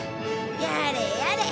やれやれ。